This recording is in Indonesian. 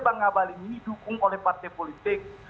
bang gabalin ini dukung oleh partai politik